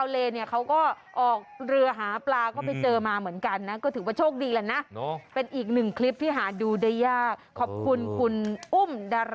เล่าเพื่อคุณผู้ชม